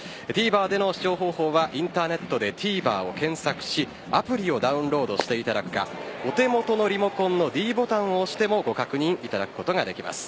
ＴＶｅｒでの視聴方法はインターネットでＴＶｅｒを検索しアプリをダウンロードしていただくかお手元のリモコンのｄボタンを押してもご確認いただくことができます。